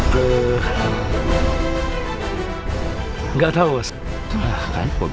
tau gak tugas lo apa berdua